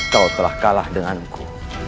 kau telah kalah denganku